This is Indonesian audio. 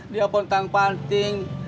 dia pun tak penting